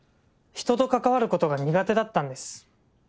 人と関わる事が苦手だったんです。